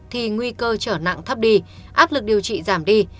thì nguy cơ trở nặng thấp đi áp lực điều trị giảm đi